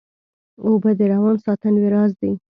اوبه د روان ساتنې راز دي